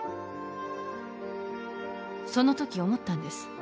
そのとき思ったんです